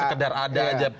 sekedar ada saja